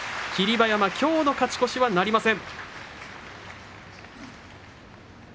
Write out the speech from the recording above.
馬山、きょうの勝ち越しはなりません。